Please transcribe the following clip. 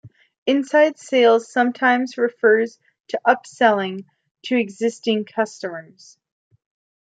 Inside sales sometimes refers to upselling to existing customers.